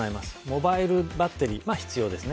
モバイルバッテリーが必要です。